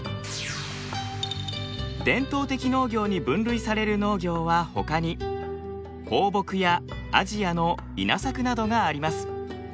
伝統的農業に分類される農業はほかに放牧やアジアの稲作などがあります。